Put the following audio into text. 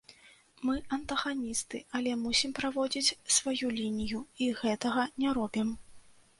Мы антаганісты, але мусім праводзіць сваю лінію, і гэтага не робім.